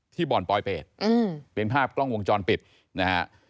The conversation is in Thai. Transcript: บ่อนปลอยเป็ดเป็นภาพกล้องวงจรปิดนะฮะ